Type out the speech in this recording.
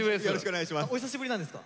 お久しぶりなんですか？